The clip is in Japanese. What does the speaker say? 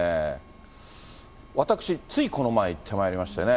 私、ついこの前行ってまいりましてね。